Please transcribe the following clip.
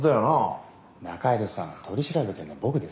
仲井戸さん取り調べてるのは僕です。